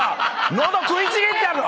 喉食いちぎってやるぞ！